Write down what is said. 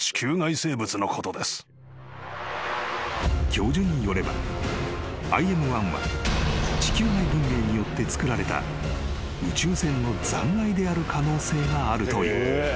［教授によればＩＭ１は地球外文明によって造られた宇宙船の残骸である可能性があるという］